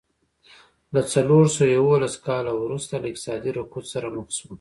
له څلور سوه یوولس کاله وروسته له اقتصادي رکود سره مخ شوه.